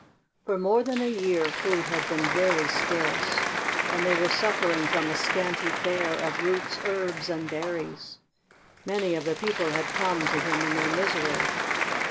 For more than a year food had been very scarce, and they were suffering from a scanty fare of roots, herbs, and berries. Many of the people had come to him in their misery.